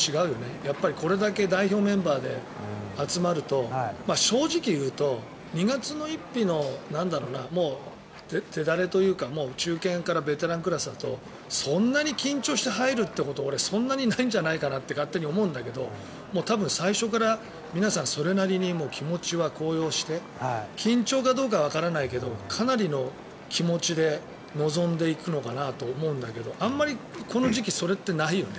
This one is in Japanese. やっぱりこれだけ代表メンバーで集まると正直言うと２月のいっぴの手だれというかもう中堅からベテランクラスだとそんなに緊張して入るってことそんなにないんじゃないかなって俺、勝手に思うんだけど多分最初から皆さんそれなりに気持ちは高揚して緊張かどうかはわからないけどかなりの気持ちで臨んでいくのかなと思うけどあまり、この時期それってないよね？